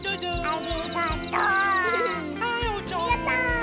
ありがとう。